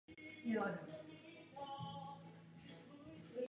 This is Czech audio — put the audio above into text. Tak dál.